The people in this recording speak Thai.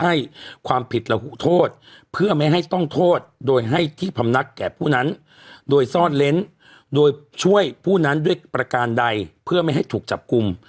ให้ความผิดระหูโทษเพื่อไม่ให้ต้องโทษโดยให้ที่พำนักแก่ผู้นั้นโดยซ่อนเล้นโดยช่วยผู้นั้นด้วยประการใดเพื่อไม่ให้ถูกจับกลุ่ม